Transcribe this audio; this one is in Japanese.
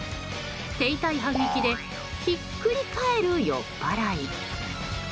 手痛い反撃でひっくり返る酔っ払い。